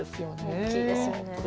大きいですよね。